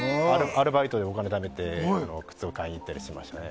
アルバイトでお金ためて靴を買いに行ったりましたね。